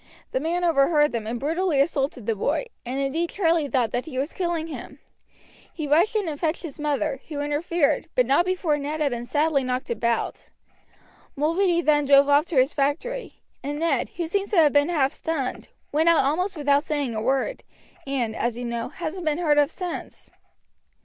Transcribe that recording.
The man overheard them, and brutally assaulted the boy, and indeed Charlie thought that he was killing him. He rushed in and fetched his mother, who interfered, but not before Ned had been sadly knocked about. Mulready then drove off to his factory, and Ned, who seems to have been half stunned, went out almost without saying a word, and, as you know, hasn't been heard of since.